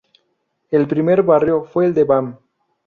El primer barrio fue el de Bam.